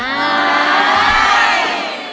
มาก